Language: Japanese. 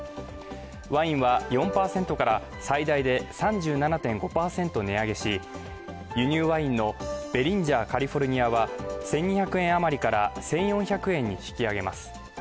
ワインは４％から最大で３７．５％値上げし輸入ワインのベリンジャーカリフォルニアは１２００円余りから１４００円に引き上げます。